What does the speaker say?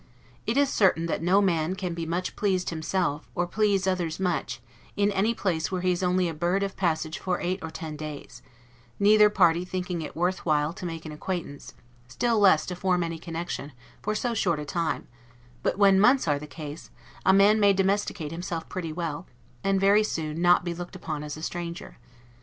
It is certain that no man can be much pleased himself, or please others much, in any place where he is only a bird of passage for eight or ten days; neither party thinking it worth while to make an acquaintance, still less to form any connection, for so short a time; but when months are the case, a man may domesticate himself pretty well, and very soon not be looked upon as a stranger.